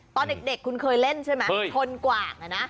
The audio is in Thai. ตอนเด็กคุณเคยเล่นใช่ไหมชนกว่างนะ